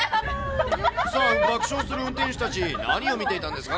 さあ、爆笑する運転手たち、何を見ていたんですか？